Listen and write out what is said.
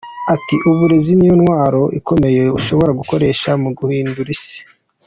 Ati “Uburezi niyo ntwaro ikomeye ushobora gukoresha mu guhindura isi.